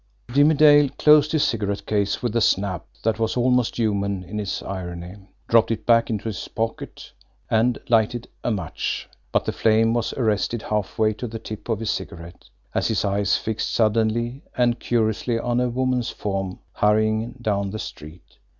Jimmie Dale closed his cigarette case with a snap that was almost human in its irony, dropped it back into his pocket, and lighted a match but the flame was arrested halfway to the tip of his cigarette, as his eyes fixed suddenly and curiously on a woman's form hurrying down the street.